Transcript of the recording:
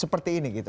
seperti ini gitu